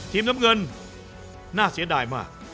น้ำเงินน่าเสียดายมาก